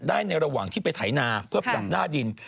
ในระหว่างที่ไปไถนาเพื่อปรับหน้าดิน